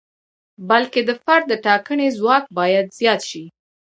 بلکې د فرد د ټاکنې ځواک باید زیات شي.